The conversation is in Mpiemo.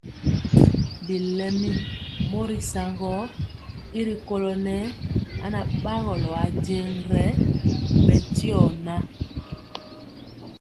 Bilɛmi mori saŋgɔɔ gɔ y rikolɔ nɛɛ anabagɔlɔ nʼajeŋg rɛ bɛ shio tya.